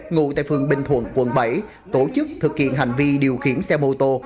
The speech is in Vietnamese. ngụ tây phương bình thuận quận bảy tổ chức thực hiện hành vi điều khiển xe mô tô